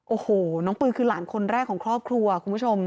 โอ้โหน้องปืนคือหลานคนแรกของครอบครัวคุณผู้ชม